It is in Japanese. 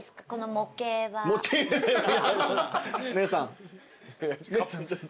姉さん。